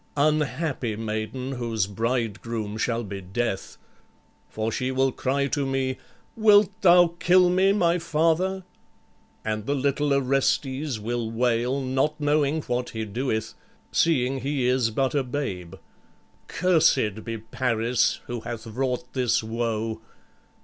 Unhappy maiden whose bridegroom shall be death! For she will cry to me, 'Wilt thou kill me, my father?' And the little Orestes will wail, not knowing what he doeth, seeing he is but a babe. Cursed be Paris, who hath wrought this woe!"